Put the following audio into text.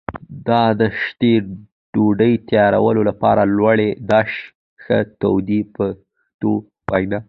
د داشي ډوډۍ تیارولو لپاره لومړی داش ښه تودوي په پښتو وینا.